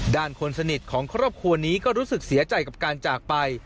คนสนิทของครอบครัวนี้ก็รู้สึกเสียใจกับการจากไป